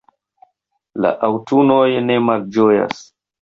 la aŭtunoj ne malĝojas